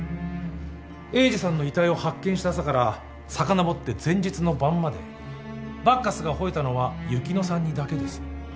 栄治さんの遺体を発見した朝からさかのぼって前日の晩までバッカスが吠えたのは雪乃さんにだけです。